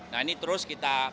nah ini terus kita